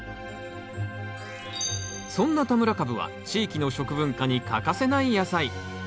そんな田村かぶは地域の食文化に欠かせない野菜。